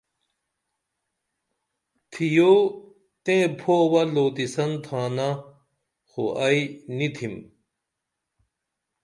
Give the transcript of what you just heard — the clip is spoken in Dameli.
تِھیو تیئں پھووہ لوتیسن تھانہ خو ائی نی تِھم